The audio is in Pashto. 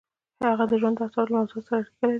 د هغه ژوند د اثارو له موضوعاتو سره اړیکه لري.